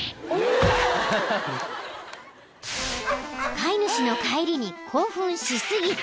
・［飼い主の帰りに興奮し過ぎて］